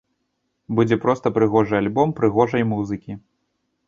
Будзе проста прыгожы альбом прыгожай музыкі.